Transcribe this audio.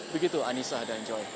begitu anissa dan joy